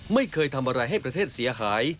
ไม่เคยทำอะไรให้ประเทศเสียหาย